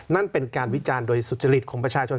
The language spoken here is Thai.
นั่นเป็นการวิจารณ์โดยสุจริตของประชาชน